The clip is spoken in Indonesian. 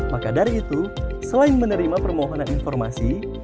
maka dari itu selain menerima permohonan informasi